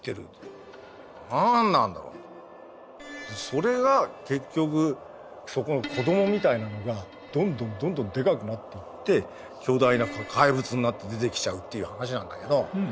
それが結局そこの子どもみたいなのがどんどんどんどんでかくなっていって巨大な怪物になって出てきちゃうっていう話なんだけど。